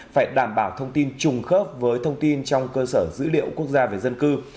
phải đảm bảo thông tin trùng khớp với thông tin trong cơ sở dữ liệu quốc gia về dân cư